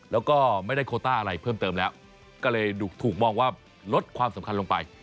แล้วก็ไม่ได้โคต้าอะไรเพิ่มเติมแล้วก็เลยถูกมองว่าลดความสำคัญลงไป